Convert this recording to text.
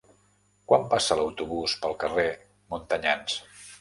Quan passa l'autobús pel carrer Montanyans?